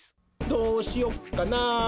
どうしよっかな。